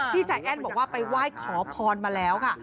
ใจแอ้นบอกว่าไปไหว้ขอพรมาแล้วค่ะ